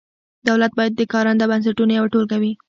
دولت باید د کارنده بنسټونو یوه ټولګه وي.